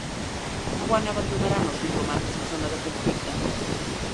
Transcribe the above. Quan abandonaran els diplomàtics la zona de conflicte?